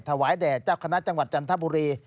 แด่เจ้าคณะจังหวัดจันทบุรี